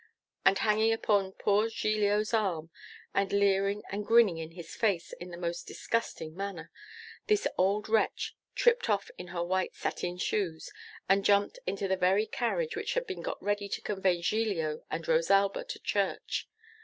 And hanging upon poor Giglio's arm, and leering and grinning in his face in the most disgusting manner, this old wretch tripped off in her white satin shoes, and jumped into the very carriage which had been got ready to convey Giglio and Rosalba to church.